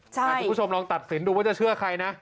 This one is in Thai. คุณผู้ชมลองตัดสินดูว่าจะเชื่อใครนะ